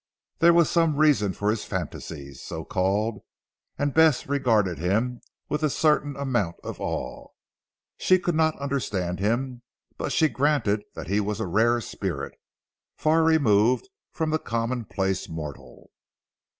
There was some reason for his fantasies so called: and Bess regarded him with a certain amount of awe. She could not understand him; but she granted that he was a rare spirit, far removed from the common place mortal.